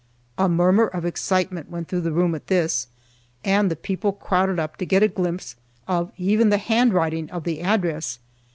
A murmur of excitement went through the room at this, and the people crowded up to get a glimpse of even the handwriting of the address.